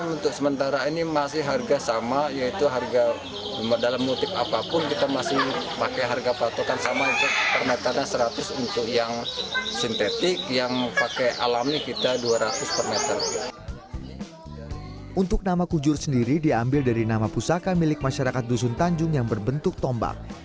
untuk nama kujur sendiri diambil dari nama pusaka milik masyarakat dusun tanjung yang berbentuk tombak